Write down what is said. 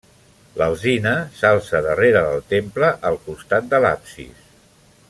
L'alzina s'alça darrere del temple, al costat de l'absis.